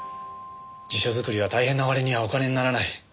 辞書作りは大変な割にはお金にならない。